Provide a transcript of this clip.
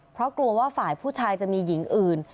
เพราะกลัวว่าฝ่ายผู้ชายจะมีหญิงอื่น